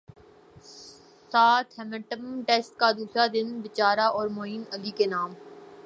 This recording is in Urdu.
ساتھ ہیمپٹن ٹیسٹ کا دوسرا دن پجارا اور معین علی کے نام